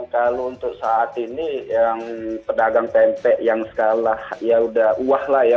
kalau untuk saat ini yang pedagang tempe yang skala ya udah uah lah ya